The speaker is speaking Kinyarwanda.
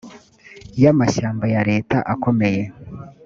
y amashyamba ya leta akomye